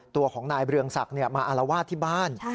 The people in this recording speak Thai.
ตัวของนายเรืองศักดิ์มาอารวาสที่บ้าน